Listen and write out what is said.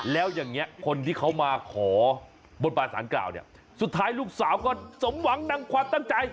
แล้วอย่างนี้คนที่เขามาขอบนบานสารกล่าวเนี่ยสุดท้ายลูกสาวก็สมหวังดังความตั้งใจ